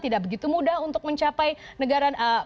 tidak begitu mudah untuk mencapai negara